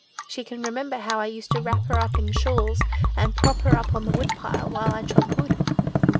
She can remember now how I used to wrap her in shawls, and prop her up on the woodpile, while I chopped wood."